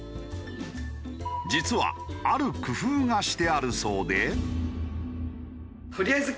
実はある工夫がしてあるそうで。